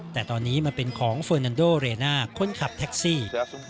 แต่ตอนนี้มันเป็นของเฟอร์นันโดเรน่าคนขับแท็กซี่